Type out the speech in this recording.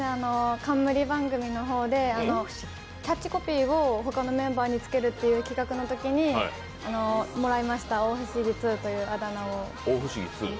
冠番組の方でキャッチコピーをほかのメンバーにつけるという企画のときにもらいました大不思議２というあだ名を。